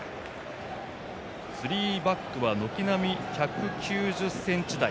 スリーバックは軒並み１９０ｃｍ台。